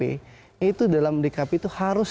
itu dalam dkp itu harus